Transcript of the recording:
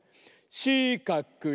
しかくい！